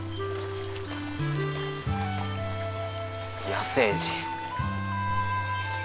野生児。